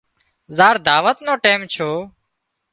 زار دعوت نو ٽيم ڇو